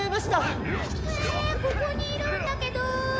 ええここにいるんだけど？